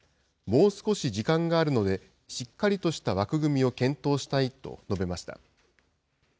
もう少し時間があるのでしっかりとした枠組みを検討したいと述べました。